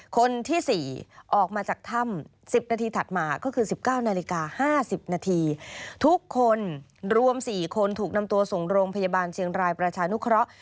คนที่สี่ออกมาจากท่ำสิบนาทีถัดมาก็คือสิบเจ้านาฬิกาห้าสิบนาทีทุกคนรวมสี่คนถูกนำตัวส่งโรงพยาบาลเชียงรายประชานุเคราะห์